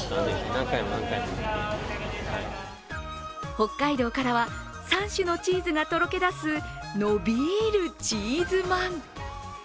北海道からは３種のチーズがとろけだす、のびーるチーズまん。